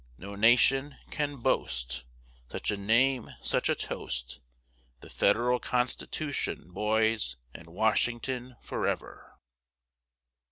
No nation can boast Such a name, such a toast, The Federal Constitution, boys, and Washington forever.